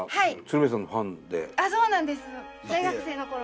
あっそうなんです。